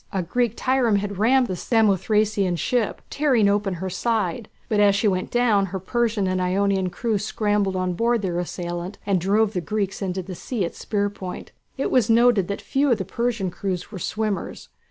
A Greek trireme had rammed the Samothracian ship, tearing open her side; but as she went down her Persian and Ionian crew scrambled on board their assailant and drove the Greeks into the sea at the spear point. It was noted that few of the Persian crews were swimmers.